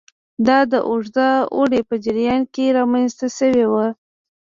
دا د اوږده اوړي په جریان کې رامنځته شوي وو